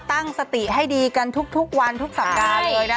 ตั้งสติให้ดีกันทุกวันทุกสัปดาห์เลยนะ